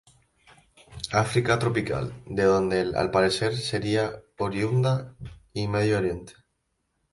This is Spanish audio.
África tropical -de donde, al parecer, sería oriunda- y Medio Oriente.